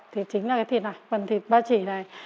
thì chính là cái thịt này phần thịt ba chỉ này